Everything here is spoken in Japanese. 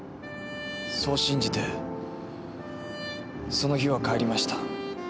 そう信じてその日は帰りました。